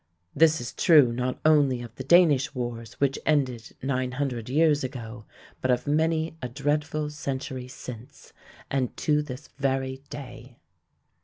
This is true not only of the Danish wars which ended nine hundred years ago, but of many a dreadful century since and to this very day.